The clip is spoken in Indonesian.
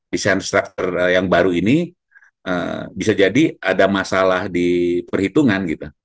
desain struktur yang baru ini bisa jadi ada masalah di perhitungan gitu